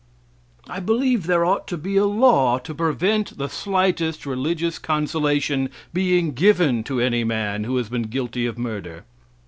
I believe there ought to be a law to prevent the slightest religious consolation being given to any man who has been guilty of murder.